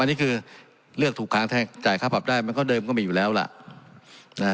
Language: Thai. อันนี้คือเลือกถูกค้างแทงจ่ายค่าปรับได้มันก็เดิมก็มีอยู่แล้วล่ะ